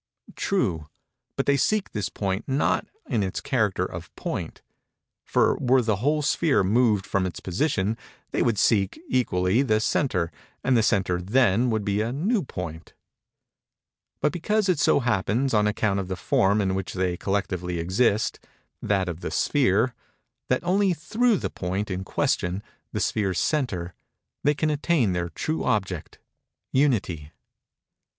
True; but they seek this point not in its character of point—(for, were the whole sphere moved from its position, they would seek, equally, the centre; and the centre then would be a new point)—but because it so happens, on account of the form in which they collectively exist—(that of the sphere)—that only through the point in question—the sphere's centre—they can attain their true object, Unity.